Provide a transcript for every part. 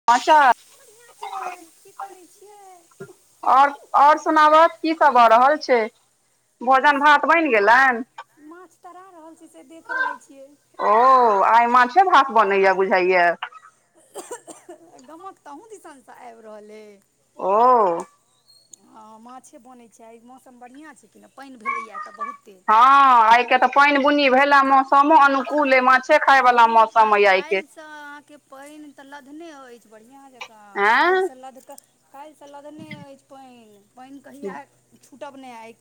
[unintelligible] आओर आओर सुनाब की सब भऽ रहल छै, भोजन भात बनि गेलनि। माछ तरा रहल छै से देख रहल छियै ओ आइ माछे भात बनैया बुझाइया गमक तहूँ दिशानसँ आबि रहल अइ हँ माछे बनैत छै आ मौसम बढ़िआँ छै कि नहि पानि भेलैए तऽ बहुत तेज हँ आइ के तऽ पानि बुनी भेला मौसमो अनुकूल हय माछे खााय वालला मौसम हय आइ के तऽ अहाँके पानि तऽ लदने अछि बढ़िआँ जकाँ काल्हिसँ लद कऽ काल्हिसँ लधने अछि पानि कहिया छूटब नहि आइ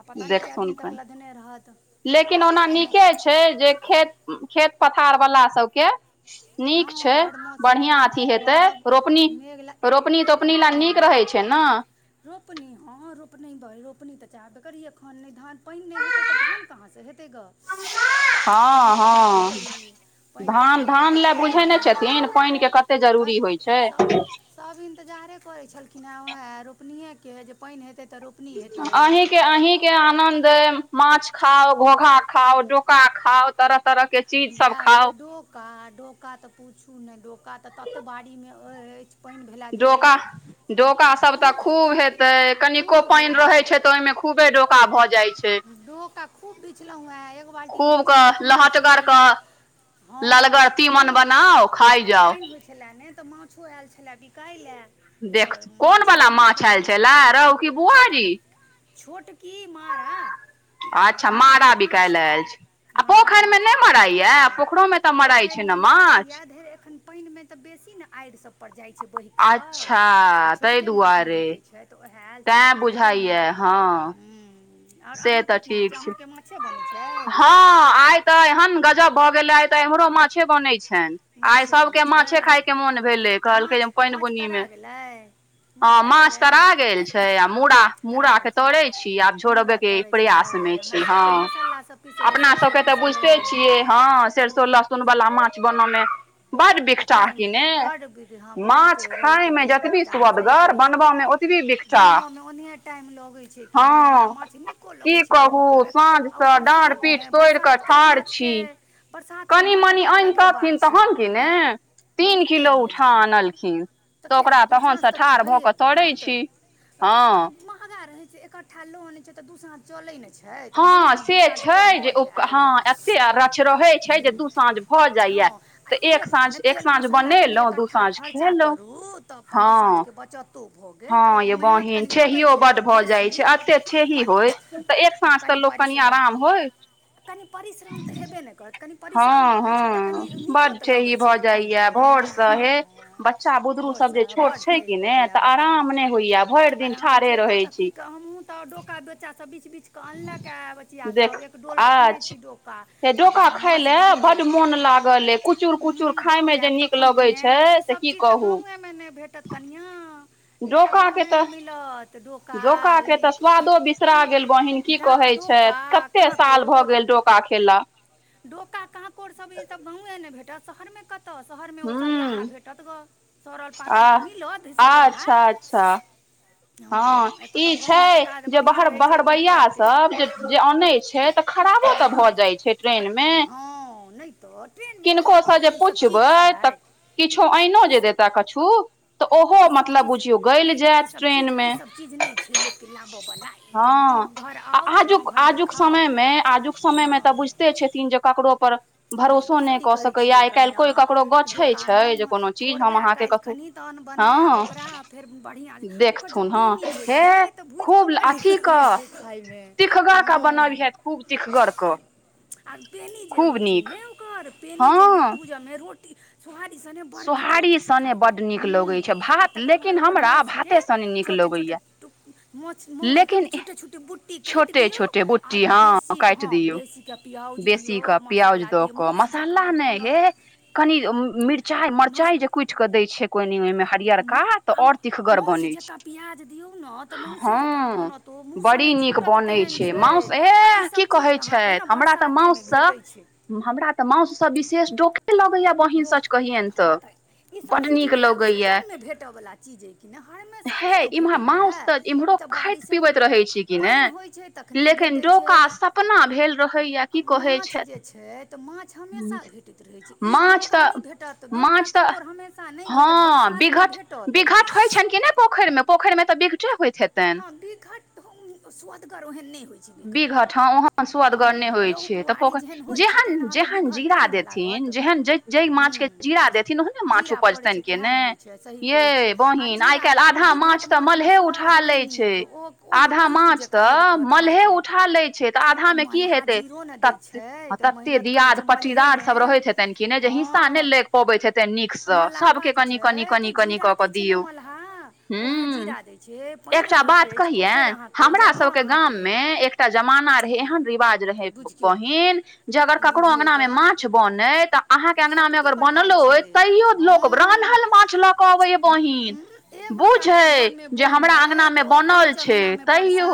आ पता नहि कए दिन तक लदने रहत तऽ, छै जे खेत खेत पथार वला सबके नीक छै बढ़िआँ अथी हेतै रोपनी रोपनी तऽ ‌‌रो पीनी ले नीक र है छै ना‌। रोपनी हँ रोपनी ब रोपनी तऽ चाहबे करी एखन नहि धान पानि नहि हेतै तऽ धान कहाँसँ हेतै गऽ हँ हँ, धान धान पानी लए बुझे नहि छथिन पानि के कते जरूरी होइ छै, सभ इन्तजारे करैत छलखिन हेँ उएह रोपनिेके ह जे पानि हेतै अह-हिक के अहीं के आनंद माछ खाउ घोघा खाउ डोका खाउ तरह तरह के ने डोका डोका तऽ पूछू ने डोका तऽ तते बाड़ी मे अछि डोका डोकासभ तऽ खूब हेतै कनिको पानि रहैत छै तऽ ओहि मे खूबे डोका भऽ जाइ छै, डोके खूब बिछलहुँ हेँ एक बाल्टीमे बिछि कऽ रखने छी ललगर तीमन बनाउ खााय जाउ छलय नहि तऽ माछो आयल छलए बिकाइ ल आयल देख कोन वालला माछ आयल छलए रहु की बुआ री छोटकी मारा, अच्छा मारा बिकायल अछि आ पोखरि मे नहि मारा या आ पोखरोमे पोखरि मे मरााई यए धरि एखन पानि मे तऽ बेसी ने आड़ि सब परड़ जाइ छै बहि कऽ तऽ छोटके माछ ने भेटैत छै तऽ ओएह आयल छै आब बुझाइये हँ। और अहा के की होय छै अहूं के माछे बनै छै, हँ आइ तऽ एहन गजब भऽ गेलै आइ तऽ एम्हरो माछे बनैत छनि आइ सभके माछे खाायके मोन भेलै कहलकै जे पानि बुनीमे ह माछ तरा गेल छै मू ड़ा के तोड़े छी आब झोरबैत के प्रयासमे छै हँ अपना सबके तऽ बुझिते छियै हँ सरसो लहसुन वाला माछ बनमे बड बििकता कि ने माछ खााय मे जतबी सवदगर बनबय मे ओतबी बिख हँ की कहू साँझसँ डाढ़ पीठ तोड़ कऽ ठाढ़ छी कनि मनि आनतथिन तहन कि ने तीन किलो उठा आनलखिन तऽ ओकरा तहनसँ ठाढ़ भऽ कऽ तरै छी ओतऽ महगा रहै छै एकठालो आन छै तऽ दूस चलै नहि छै तऽ भने ने दू साझ भऽ जायत ह हँ आ इहो रहैत छै ने तेल मसाला कनि एकठ्ठा खर्चा करू तऽ अपन दू साँझके बचतो भऽ गेल ह य बहिन ठेहिो बड भऽ जाइ छै अते ठेही होय एक स त लोकनी आराम होय कनि परिश्रम तऽ हेबे नहि करत कनि परिश्रम लगैत छै तऽ कनी नीको तऽ लगैत छै ने इय भर से हे बच्चा बुदरू सब जे छोट छै क ने तऽ आराम नहि होइए आराम छै एतऽ तऽ की कह हमहुूँ तऽ डोका बेचा सब बीछ बीछ कऽ अनलक बचआासभ एक डोल रखने छी डोका आब त माछ बनतै हँ गाँव आयब तखन कि नहि ईसभ चीज तऽ गाँेमे नहि भेटत कनिआँ डोका के तऽ डोका के तऽ स्वादो बिसरा गेल बहिन की कहै छै कते साल भए गेल डोका खेला डोका कांाकोर सब ई सब गांवे ने भेटत शहर मे कतऽ शहर मे ओ सरलाहा भेट तत गऽ आ आ अच्छा अच्छा हँ ई छै जे बहर बहरबैयभ जे जे अनै छै तऽ खराबो तऽ भऽ जाइ छै हँ नहि तऽ ट्रेनमे अलाबयवला ईसभ चीज छै किछो आइनो जे देताह कछु तऽ ओहो मतलब बुझियौ गलि जायत पयिन मे हँ आ आजुक आजुक समय मे आजुक समय मे तऽ बुझिते छथिन जे ककरो पर भरोसो नहि कऽ सकैएा आइ काल्हि कोइ ककरो गछै छै जे कोनो चीज हम अहाँके हँ हँ फेर बढ़िआँ ओकर जे पेनी होइ छै तऽ भुजििकऽ बढ़ लगै छै खाायमे तिखगरके बनब हैत खूब तिखगरके आब पेनी जे होइ छै ने ओकर पेनी जे नि भूजयमे रोटी छोहारी सने बड़ नीक लगै छै खाायमे हू आ तकर बाद ओकर मौसके छोटे छोटे माछ छोटे छोटे बुटी काटि दियौ आ बेसी हँ बेसीके प्यउज दियौ मछ प्योज दऽ कऽ मसाला नहि हे कनि मिरचा मिरचाइ कुटि कऽ दै छै को ओहि पियरका तऽ ओर तिखगर बनै छै हँ बड़ी नीक बनै छै माउस हे हे की कहै छै हमरा तऽ माउस सँ हमरा तऽ माउस सऽ विशेष डोके लगैएा बहनसँ हँ तऽ ईसभ सीजने सीजन मे भेटयवला चीज अइ कि ने शहरमे पैसा नहि ने भेटैए ई तऽ बारिशेमे पानि होइत छै तखने भेटैत छै माछ जे छै तऽ माछ हमेशा भेटैत रहै छै ई डोका नहि भेटत डोका कांकोुर हमेशा नहि भेटत बरसातमे भेटत छनि कि ने पोखरि मे पोखरि मे तऽ बिगाट होइ छै हँ बीघाट स्वादगर ओहन न नहि होइ छै बीघट हँ आहेन स्वद हूँ रोहु बुआरी जेहन होइ छै तेहन अहाँके बिघट थोड़े ने लागत हू जीरा पड़ै छै तएह ने होइत छै सही कहैत छियै आ बिघट माछ ने स्वाद छै आधा माछ तऽ मलहे उठा लै छै तऽ आधा मे की हेतै तऽ ततेक दियाद पटीदार सब रहै छथिन कि नहि जे हिस्सा नहि लै पबैत हेतै नीकसँ सभके कनि कनि कनि कनि कऽ कऽ दियौ हू एकटा बात कहियनि हमरा सबके गाममे एकटा जमाना रहै एहन रिवाज रहै बहिन जे अगर ककरो अङंगना मे माछ बनै तऽ अहाँ के अंगना मे अगर बनलो तैयो लोक रान्हल माछ ल के अबैया बहिन बूझे जे हमरा अंगना मे बनल छै तहियो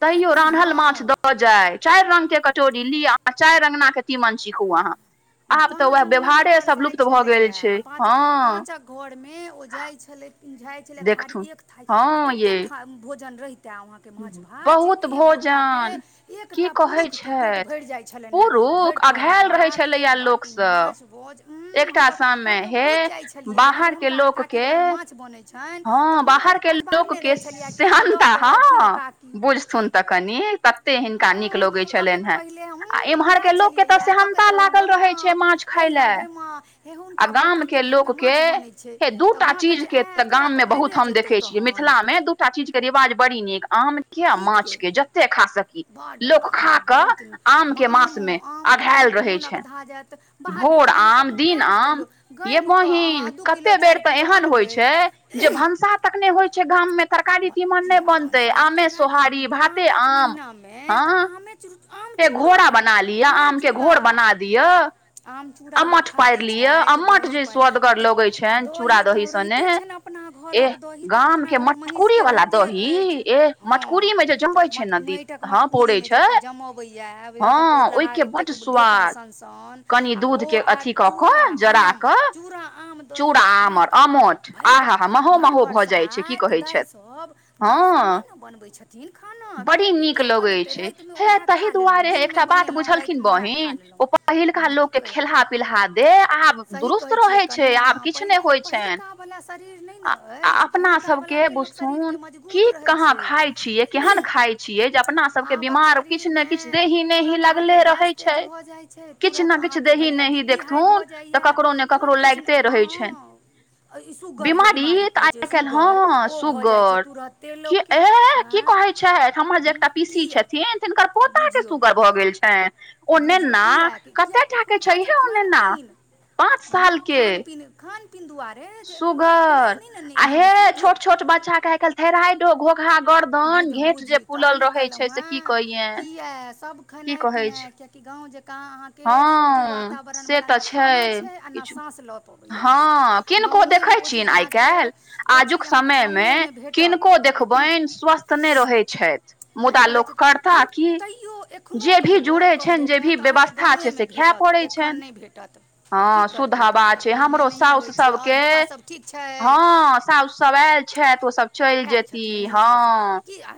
तैयो रान्हल माछ दत जाय चारि रंग के कटोरी लिअ चारि अंगना के तीमन चिखू अहाँ पाँच अंगना मे परसाइ छलैय आ पाँच पाँचक घर मे ओ जाइत छलै पिझाइत छलै थारी एक थारी आ ततेक खा भोजन रहितो ते वहा के माछ भात जे एक गोटा के एकटा पुरुख के पेट भैर जाय छलनि हेँ भरि थारी भात एक बाटी माछ भोझ उ हम त अहा के बुझि जाइ छलियै या जे हुनका ऐहन का काकी घरमे माछ बनैत छनि त मुँह अजबारने रहै छलियै कि जे ल क औथिन ओ काकी पुलिस फोन त कनी तते हिनका नीक लगे छलनि हे आ इम्हर के लोक के त सेहनता लागल रहे छै माछ खाय ले आ गाम के लोक के हे दूटा चीज के त गाम मे बहुत हम देखै छियै मिथिला मे दूटा चीज के रिवाज बड़ी नीक आम किया माछ के जते खा सकी लोक खा क आम के मास मे अघायल रहै छै भोर आम दीन आम ये बहिन कतेक बेर त एहन होइ छै जे भनसा तक नहि होइ छै गाम मे तरकारी तीमन नय न आमे सोहारी भाते आम हे घोड़ा बना लिय आम के घोर बना दिअ अमठ पारि लिअ आ मठ जे सुअदगर लगैत छनि चूड़ा दही सने एह गाम के मटकूरी वला दही ई ए मटकुररी मे जे जमबै छै नदी हँ पौड़े छै हँ ओहिके बड स्वाद कनि दूध के अथी क क जरा क चूड़ा आमर आमर आ ह ह महो महो भ जाइत छै की कहै छथि हँ बड़ी नीक लगै छै हे तहि दुआरे एकटा बात बुझलखिन बहिन ओ [unintelligible] पहिलका लोक के खेलहा पिलहा देह आब दुरुस्त रहे छै आब किछु ने होय छै अपना सबके बुझथुन की की कहाँ खाय छियै केहन खाय छियै जे अपना सब के बीमार किछु ने किछु देहीन देही लगले रहै छै किछु ने किछु देही नेही देखथुन त ककरो ने ककरो लागिते रहै छनि बिमारी तऽ आइ काल हँ सुगर ऐ की कहै छै हमर जे एकटा पीसी छथिन तिनकर पोता के सुगर भ गेल छै ओ नेना कते टा के छैहे ओ नेना पाँच साल के सुगर आ हे छोट छोट बच्चा के आई काइल थेराइडो घोघा बुझ बुझी तहन कहलहुँ हेँ किये सभ खेनाइ पिनाइ की गाँव जेका अहाँ हँ से त छै किछु हँ किनको देखे छ आइ काल्हि आजुक समय मे किनको देखबनि स्वस्थ त ने रहै छथि नहि रहैत छथि फेर तैयो एखनोहु करबै कह भेटत अहाँके गाँवे मे भेटत एखन नहि भेटत की करबै कनिआँ कोइ नहि एनाहिये होइत छै आओर बौआ सभ ठीक छै हँ साउ सब आयल छथि ओ सब चलि जेती हँ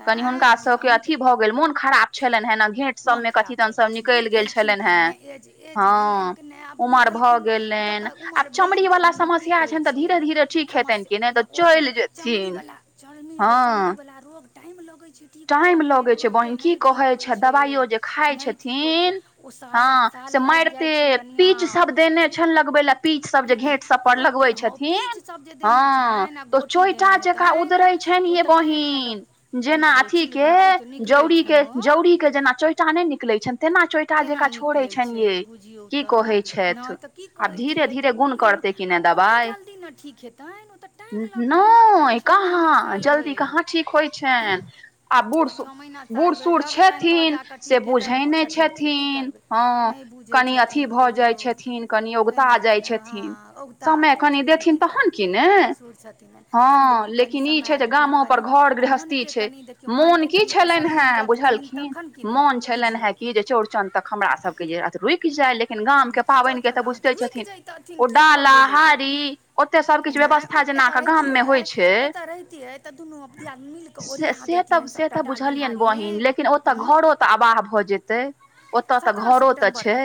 कनि हुनका सबके अथी भऽ गेल मुन खराब छलनि हें न घेट मोन खराब छल बूढ़ भेलखिन कि ने एज एज भेलनि कि ने बूढ़ भेलखिन तऽ उमर भेलनि तऽ उ कि कहै छीयै आओ छै चमरी वला चरनी बला चमरी रोग टाइम लगै छै टाइम लगै छै बहिन की कहै छ दाबाइयो जे खाइ छथिन हाँ से मारते पीच सब देने छैन लगबैला पीच सब जे घेट सब पर लगबै छथिन हँ त चौटा जेका उदरै छैन यै बहिन जेना अथी के जौड़ी के जौड़ी के जेना च्योटा नै निकलै छनि तेना च्य का जका छोड़ै छनि यै की कहै छथि आब धीरे धीरे गुण करतै कि नै दबाइ नोए कहाँ जल्दी कहाँ ठीक होइ छनि आ बूढ़ बूढ़ सूढ़ छेथिन से बुझै नै छै छथिन हँ कनि अथी भऽ जाइ छथिन कनि उगता जाइ छथिन समय कनि देथिन तहन कि ने हँ लेकिन ई छै जे गामो पर घर गृहस्थी छै मोन की छलनि हेँ बुझलखिन मोन छलनि हेँ कि जे च चौड़चन तक हमरा सबके जे रुकि जाइ लेए गामके पाबनिके तऽ बुझिते छथिन ओ डाला हारी ओते सब किछ बैबसथा जहन आहाँ के गांव मे हो छै से से तब से तऽ बुझलियनि बहिन लेकिन ओतऽ घरो तऽ आवाह भऽ जेतै ओतऽ तऽ घरो तऽ छै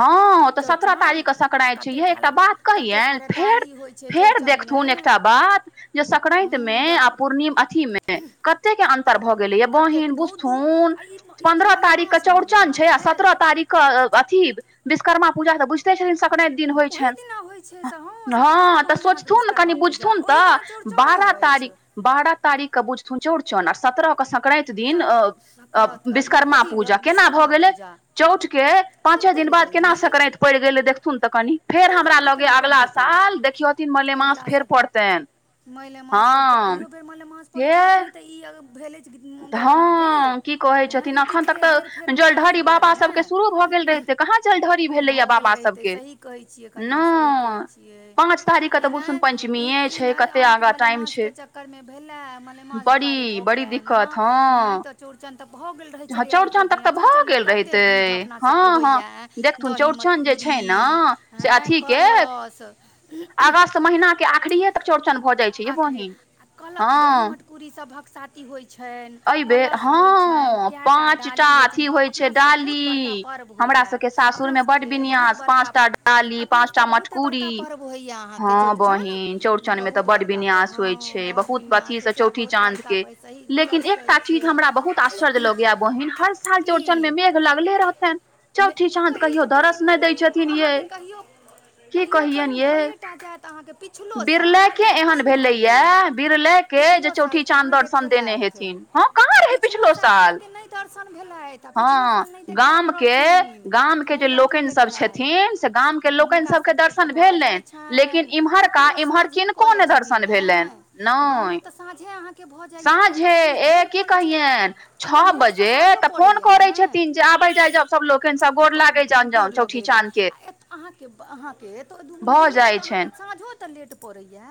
हँ तऽ सत्रह तारीखक सक्राईत छै इएह एकटा बात कहिय फेर फेर देखथुन एकटा बात जे संक्रान्ति मे आ पूर अथीमे कते के अन्तर भऽ गेले यै बहिन बुस्थुन पन्द्रह तारीख क चौड़चन छै आ सत्रह तारीख क अथी विश्वकर्मा पूजा तऽ बुझ छथि संक्रान्ति दिन होइ छनि हँ तऽ सोचथुन ने कनि बुझथुन तऽ बारह तारीख बारह तारीख क बुझथुन चौड़चन आ सत्रह क संक्रान्ति दिन अ अ विश्वकर्मा पूजा केना भऽ गेलै चौठ के पाचे दिन बाद केना संक्रान्ति पड़ि गेलै देखथुन तऽ कनि फेर हमरा लगै या अगला साल देखहथिन मले मास फेर पड़तनि मैले मास पड़तै अयो बेर मले मास पड़ै छलए तैं तऽ ई भेलै गड़बड़ा गेल हँ इ तितके हेर फेर भेलए एहि दुआरे ने भऽ गेल रहितै सही कहै छियै कनिआँ सही कहै छियै ई नै ई नै अहाँके मलेमासके चक्करमे भेलए भ गेलए एना नय त चौड़चन भऽ गेल रहै छलए एते दिन चौड़चनमे कते विध अपनासबके होइ या दही मटकूरी आँ कलस महिना के आखरीे क चौड़चन भऽ जाइ छै यै बहिन हँ पुरी सभक साथ पी होइ छनि कलश होइ छनि कएटा डाली होइ छनि अपना सबके बहुत बड़का पर्व होइया अपना सबके बहुत बड़का अपना सबके बहुत बड़का पर्व होइया अहाँके के चौरचन बहुत बड़का ड़कापड़ हाँ बहुत विन्यास होइ छैय आ बहुत बड़का पर सही लेकिन एकटा चीज हमरा बहुत आश्चर्य लगैया बहिन हर साल चौड़चन मे मेघ लगले रहतनि मे आ कहियो तऽ पानि उ अहाँके कहियौ कहियो पानि भएटा जायत अहाके पिछलो साल जे पेन भऽ गेल पिछलो साल कहाँ देखेलाथ पिछलो साल अहाँके नय दर्शन भेलथि आ पिछलो साल नय देखायल रहथिन नय रहथिन देखायल हुनका सभ के तऽ भऽ जाइ छै है कियाकि ओ साँझे कऽ लै छथिन नै गाँव में तऽ साँझे अहाँके भऽ जाइया तऽ कनी देर पड़ै छैय एतऽ लेटसँ साँझो पड़ैय नय प गोरलगे ले ए अहा के अहा के उ दोनो दिल्ली मे त अहाके साँझो तऽ लेट पड़ेया